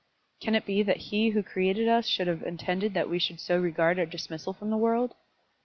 Can it be that He who created us should have intended that we should so regard our dismissal from the world?